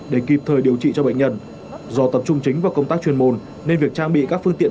để kịp thời điều trị cho bệnh nhân do tập trung chính vào công tác chuyên môn nên việc trang bị các phương tiện